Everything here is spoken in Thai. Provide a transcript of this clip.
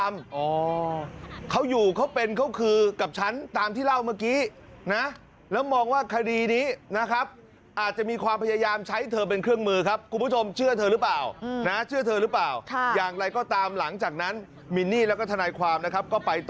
มันขึ้นอยู่ว่าระยะเวลาหนึ่งในนานแค่ไหน